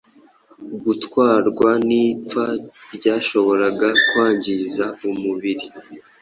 gutwarwa n’ipfa ryashoboraga kwangiza umubiri